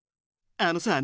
あのさ